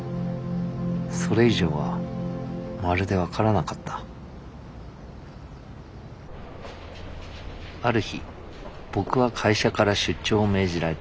それ以上はまるで分からなかったある日僕は会社から出張を命じられた。